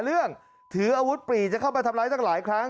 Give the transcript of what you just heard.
เรื่องถืออาวุธปลีจะเข้ามาทำอะไรตั้งหลายครั้ง